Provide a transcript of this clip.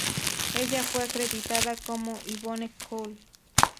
Ella fue acreditada como "Yvonne Coll".